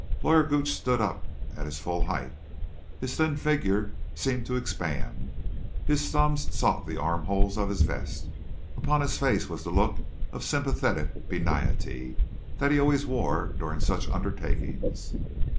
Lawyer Gooch stood up at his full height. His thin figure seemed to expand. His thumbs sought the arm holes of his vest. Upon his face was a look of sympathetic benignity that he always wore during such undertakings.